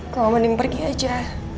kamu mending pergi aja